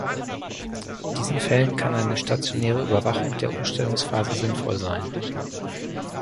In diesen Fällen kann eine stationäre Überwachung der Umstellungsphase sinnvoll sein.